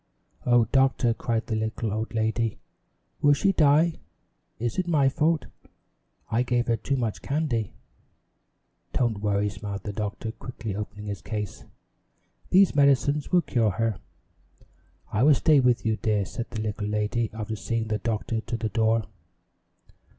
"Oh, Doctor," cried the little old lady, "will she die? It is my fault. I gave her too much candy." "Don't worry," smiled the doctor, quickly opening his case. "These medicines will cure her." "I will stay with you, dear," said the little lady, after seeing the doctor to the door.